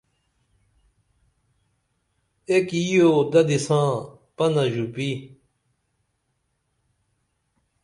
ایک یی یو ددی ساں پنہ ژوپی